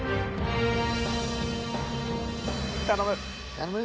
頼む。